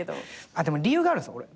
でも理由があるんです俺。